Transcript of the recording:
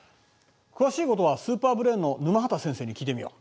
詳しいことはスーパーブレーンの沼畑先生に聞いてみよう。